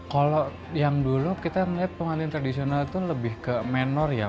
kalau yang dulu kita melihat pengantin tradisional itu lebih ke menor ya